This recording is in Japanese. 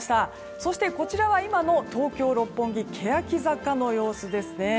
そして、こちらは今の東京・六本木けやき坂の様子ですね。